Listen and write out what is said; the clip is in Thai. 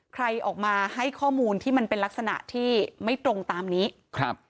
ใครออกมาให้ข้อมูลที่มันเป็นลักษณะที่ไม่ตรงตามนี้ครับ